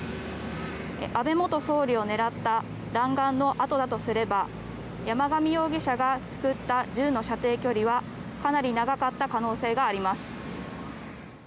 安倍元総理を狙った弾丸の痕だとすれば山上容疑者が作った銃の射程距離はかなり長かった可能性があります。